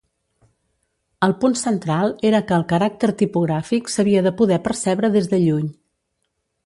El punt central era que el caràcter tipogràfic s'havia de poder percebre des de lluny.